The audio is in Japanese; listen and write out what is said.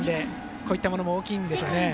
こういったものも大きいでしょうね。